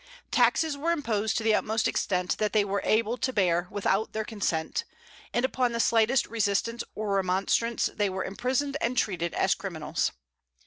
Taxes were imposed to the utmost extent that they were able to bear, without their consent; and upon the slightest resistance or remonstrance they were imprisoned and treated as criminals.